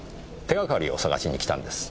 手掛かりを探しに来たんです。